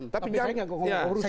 tapi saya nggak ke korupsi